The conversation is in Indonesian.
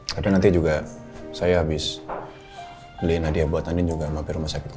tapi nanti juga saya habis beliin hadiah buat andin juga sama hape rumah sakitnya